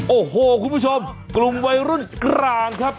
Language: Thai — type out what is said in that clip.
โอ้โหคุณผู้ชมกลุ่มวัยรุ่นกลางครับ